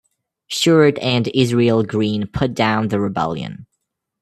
Stuart and Israel Green put down the rebellion.